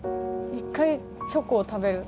一回チョコを食べる。